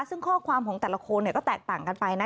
ซึ่งข้อความของแต่ละคนก็แตกต่างกันไปนะ